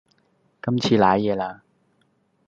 今次賴嘢啦